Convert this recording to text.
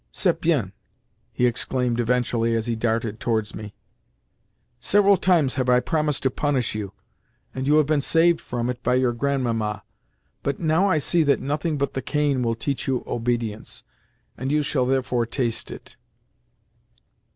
"C'est bien!" he exclaimed eventually as he darted towards me. "Several times have I promised to punish you, and you have been saved from it by your Grandmamma, but now I see that nothing but the cane will teach you obedience, and you shall therefore taste it."